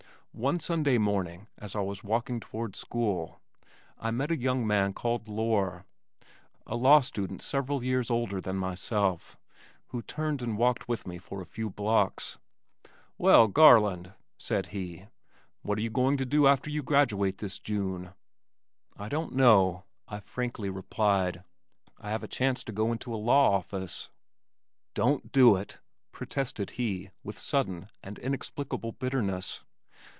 One Sunday morning as I was walking toward school, I met a young man named Lohr, a law student several years older than myself, who turned and walked with me for a few blocks. "Well, Garland," said he, "what are you going to do after you graduate this June?" "I don't know," I frankly replied. "I have a chance to go into a law office." "Don't do it," protested he with sudden and inexplicable bitterness.